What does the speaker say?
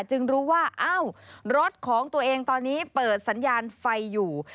จึงรู้ว่ารถของตัวเองตอนนี้เปิดสัญญาณไฟอยู่